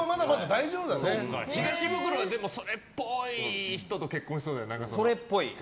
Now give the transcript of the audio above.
でも、東ブクロはそれっぽい人と結婚しそうだよね。